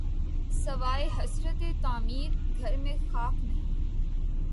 سواے حسرتِ تعمیر‘ گھر میں خاک نہیں